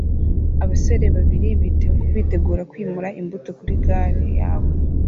Abasore babiri bitegura kwimura imbuto kuri gare yabo